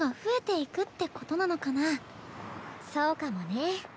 そうかもね。